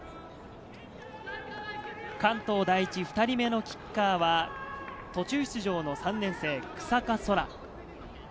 関東第一、２人目のキッカーは途中出場の３年生・日下空。